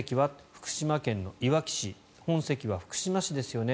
福島県いわき市本籍は福島市ですよね？